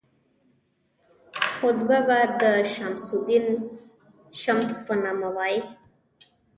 خطبه به د شمس الدین التمش په نامه وایي.